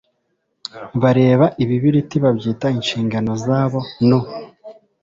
Bareba ibibiriti babyita inshingo zabo nu